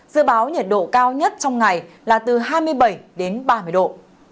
dự báo nhiệt độ cao nhất trong ngày là từ hai mươi bảy đến ba mươi độ